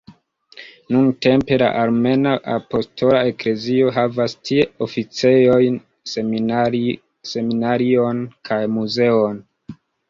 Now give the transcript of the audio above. Nuntempe, la Armena Apostola Eklezio havas tie oficejojn, seminarion kaj muzeon.